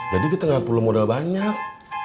jadi kita nggak perlu modal banyak